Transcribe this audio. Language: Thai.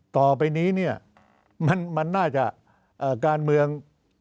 ต่อไปนี้มันน่าจะการเมือง